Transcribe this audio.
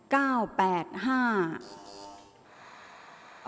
ออกรางวัลที่๖เลขที่๗